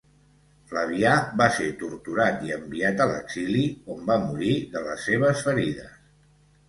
Flavià va ser torturat i enviat a l'exili, on va morir de les seves ferides.